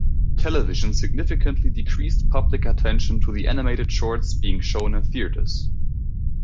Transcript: Television significantly decreased public attention to the animated shorts being shown in theatres.